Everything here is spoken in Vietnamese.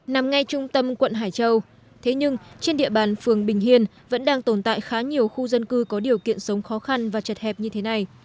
nằm ngay trung tâm quận hải châu thế nhưng trên địa bàn phường bình hiên vẫn đang tồn tại khá nhiều khu dân cư có điều kiện sống khó khăn và chật hẹp như thế này